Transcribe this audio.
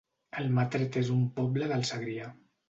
Almatret es un poble del Segrià